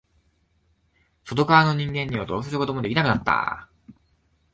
外側の人間にはどうすることもできなくなった。